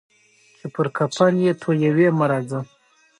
بوټونه د اختر په ورځ ضرور نوي اخیستل کېږي.